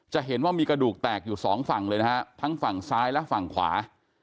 จะเห็นว่ามีกระดูกแตกอยู่สองฝั่งเลยนะฮะทั้งฝั่งซ้ายและฝั่งขวา